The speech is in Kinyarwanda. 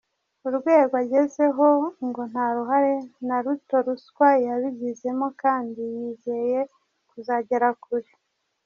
Urwego agezeho ngo nta ruhare na ruto ruswa yabigizemo kandi yizeye kuzagera kure.